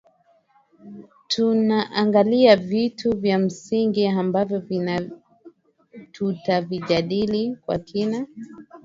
tunaangalia vitu vya msingi ambavyo tutavijadili kwa kina